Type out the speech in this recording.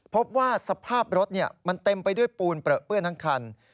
พบว่าสภาพรถมันเต็มไปด้วยปูนเปลือเปื้อนทั้งคัน